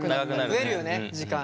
増えるよね時間。